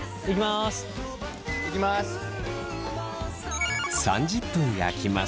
いきます。